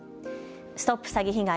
ＳＴＯＰ詐欺被害！